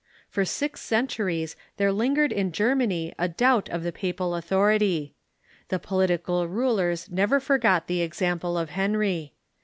For six centuries there lingered in Ger many a doubt of the papal authority. The political rulers never forgot the example of Henry.